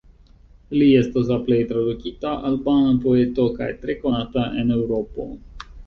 Li estas la plej tradukita albana poeto kaj tre konata en Eŭropo.